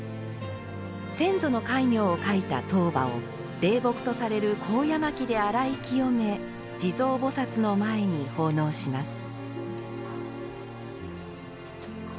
先祖の戒名を書いた塔婆を霊木とされる高野薪で洗い清め地蔵菩薩の前に奉納します。